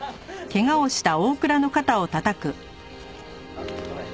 あっごめん。